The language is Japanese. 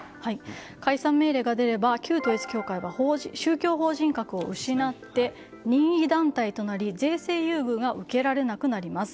解散命令が出れば、旧統一教会が宗教法人格を失って任意団体となり税制優遇が受けられなくなります。